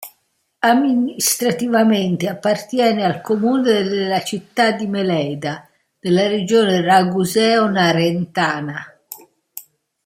Amministrativamente appartiene al comune della città di Meleda, nella regione raguseo-narentana.